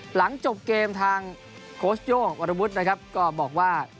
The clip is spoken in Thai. หลังจบเกมทางโค๊ชโยวของวาระบุ๊ดก็บอกว่า